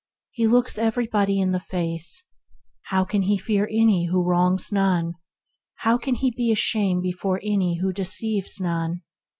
He looks everybody in the face. How can he fear any who wrongs none ? How can he be 126 THE HEAVENLY LIFE ashamed before any who deceives none